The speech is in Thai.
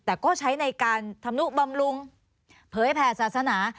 แต่ก็ใช้ในการทำนุบำรุงเผยแผ่ศาสนา